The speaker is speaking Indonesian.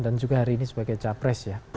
dan juga hari ini sebagai capres ya